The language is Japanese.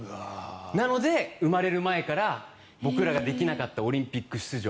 なので、生まれる前から僕らができなかったオリンピック出場。